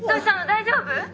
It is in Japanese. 大丈夫？